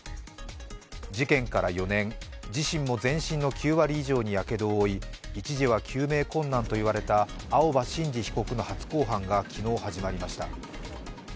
事件から４年、自身も全身の９割以上にやけどを負い一時は救命困難といわれた青葉真司被告の初公判が昨日始まりました。